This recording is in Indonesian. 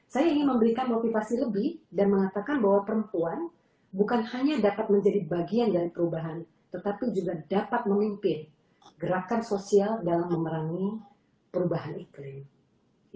saya ingin memberikan motivasi lebih dan mengatakan bahwa perempuan bukan hanya dapat menjadi bagian dari perubahan tetapi juga dapat memimpin gerakan sosial dalam memerangi perubahan iklim